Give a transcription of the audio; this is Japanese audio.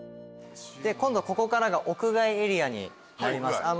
今度ここからが屋外エリアになります。